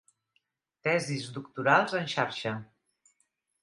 Tesis Doctorals en Xarxa.